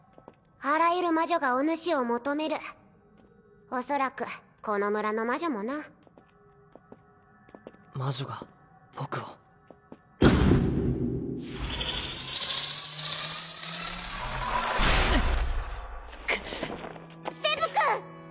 あらゆる魔女がおぬしを求める恐らくこの村の魔女もな魔女が僕をくっセブ君！